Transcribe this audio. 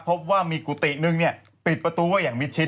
พบว่ามีกุฏินึงปิดประตูไว้อย่างมิดชิด